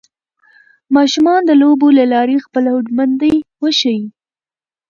ماشومان د لوبو له لارې خپله هوډمندۍ وښيي